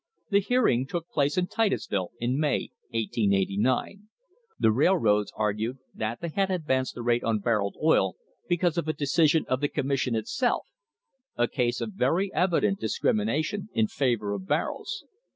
The hearing took place in Titusville in May, 1889. The railroads argued that they had advanced the rate on barrelled oil because of a decision of the Commission itself a case of very evident dis crimination in favour of barrels.